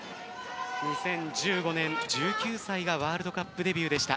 ２０１５年、１９歳がワールドカップデビューでした。